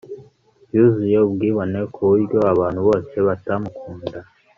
Yuzuye ubwibone kuburyo abantu bose batamukunda